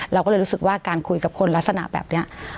เราก็เลยรู้สึกว่าการคุยกับคนลักษณะแบบนี้